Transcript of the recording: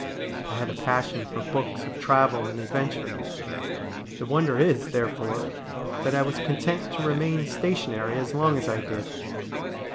I had a passion for books of travel and adventure. The wonder is, therefore, that I was content to remain stationary as long as I did.